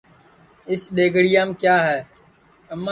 اِس دؔیگڑِیام کِیا ہے